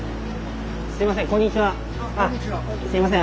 すみません。